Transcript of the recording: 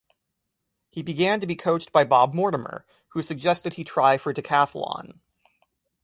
He began to be coached by Bob Mortimer, who suggested he try for decathlon.